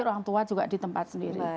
orang tua juga di tempat sendiri